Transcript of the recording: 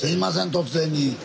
突然に。